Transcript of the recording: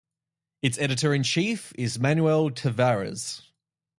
Its editor-in-chief is Manuel Tavares.